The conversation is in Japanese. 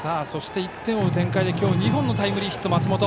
１点を追う展開で今日２本のタイムリーヒット松本。